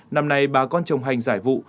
năm nay bà con trồng hành giải vụ